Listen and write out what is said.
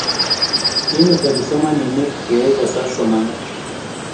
kemeto kipsomaninik koyae kosas somanet